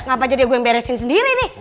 ngapain dia gue yang beresin sendiri nih